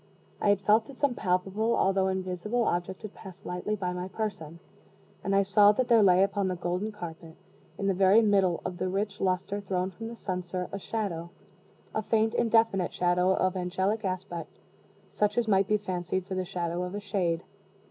I had felt that some palpable although invisible object had passed lightly by my person; and I saw that there lay upon the golden carpet, in the very middle of the rich luster thrown from the censer, a shadow a faint, indefinite shadow of angelic aspect such as might be fancied for the shadow of a shade.